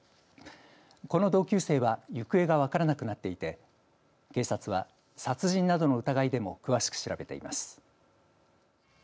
この同級生は行方が分からなくなっていて警察は殺人などの疑いでも詳しく調べています。